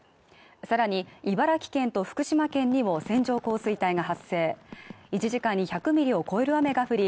さらに茨城県と福島県にも線状降水帯が発生１時間に１００ミリを超える雨が降り